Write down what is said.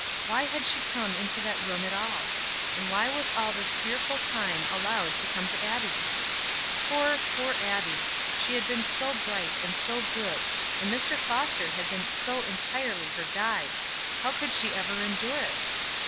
Why had she come into that room at all? And why was all this fearful time allowed to come to Abbie? Poor, poor Abbie she had been so bright and so good, and Mr. Foster had been so entirely her guide how could she ever endure it?